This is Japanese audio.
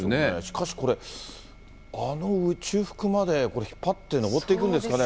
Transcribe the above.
しかしこれ、あの内復まで引っ張って登っていくんですかね。